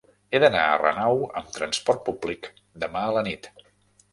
He d'anar a Renau amb trasport públic demà a la nit.